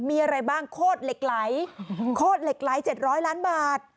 มีอะไรบ้างโคตรเหล็กไหลโคตรเหล็กไหล๗๐๐ล้านบาท